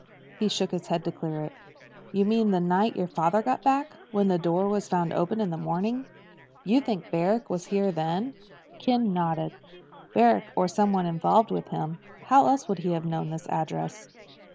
He shook his head to clear it. "You mean the night your father got back? When the door was found open in the morning? You think Barrack was here then?" Ken nodded. "Barrack or somebody involved with him. How else would he have known this address?"